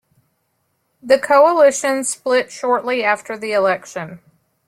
The coalition split shortly after the election.